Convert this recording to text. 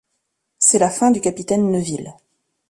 C'est la fin du capitaine Neuville.